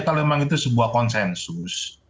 kalau memang itu sebuah konsensus